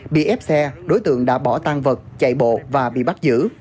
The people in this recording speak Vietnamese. bị ép xe đối tượng đã bỏ tan vật chạy bộ và bị bắt giữ